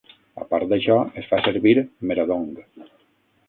A part d'això, es fa servir "Meradong".